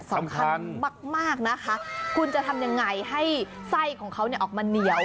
สำคัญมากนะคะคุณจะทำยังไงให้ไส้ของเขาออกมาเหนียว